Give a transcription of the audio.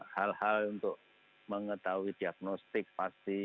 hal hal untuk mengetahui diagnostik pasti